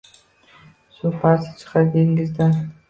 Suv parsi chiqar dengizdan